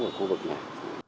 ở khu vực này